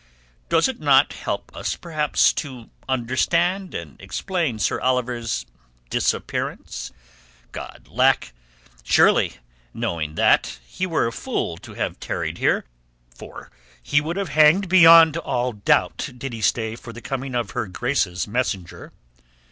"Does it not help us perhaps to understand and explain Sir Oliver's disappearance? God lack! Surely, knowing that, he were a fool to have tarried here, for he would hang beyond all doubt did he stay for the coming of her grace's messenger."